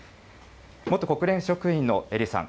元国連職員の英利さん。